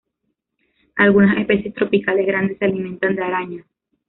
Algunas especies tropicales grandes se alimentan de arañas.